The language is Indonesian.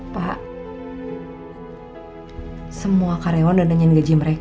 pak semua karyawan udah nengin gaji mereka